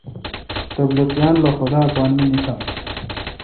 تبلیغیان لو خدا اے پان مے°نیکا۔